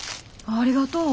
ありがとう。